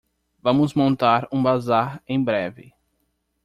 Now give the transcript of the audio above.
Vamos montar um bazar em breve